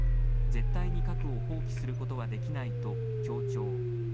絶対に核を放棄することはできないと強調。